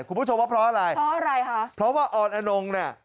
คุณผู้ชมว่าเพราะอะไรเพราะว่าออนอนงเนี่ย